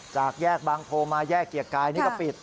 จากแยกบางโพมาแยกเกียรติกายนี่ก็ปิด